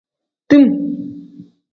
Tim.